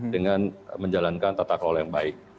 dengan menjalankan tata kelola yang baik